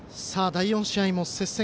第４試合も接戦。